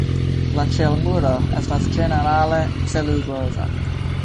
La ĉelmuro estas ĝenerale celuloza.